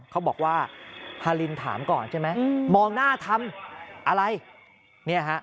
เขาบอกว่าฮาลินถามก่อนใช่ไหมมองหน้าทำอะไรเนี่ยฮะ